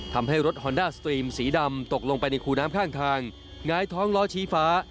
ทำให้รถฮอนด้าสตรีมสีดำตกลงไปในคูน้ำข้างทางหงายท้องล้อชี้ฟ้า